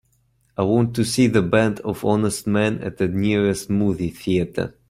I want to see The Band of Honest Men at the nearest movie theatre.